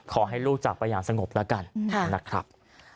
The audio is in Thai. ขอให้ลูกจากไปอย่างสงบแล้วกันนะครับ